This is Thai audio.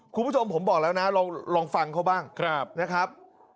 คุณผู้ชมผมบอกแล้วนะลองฟังเขาบ้างนะครับ